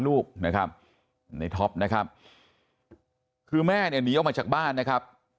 ลูกนะครับในท็อปนะครับคือแม่เนี่ยหนีออกมาจากบ้านนะครับ